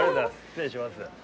失礼します。